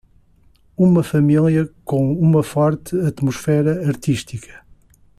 uma família com uma forte atmosfera artística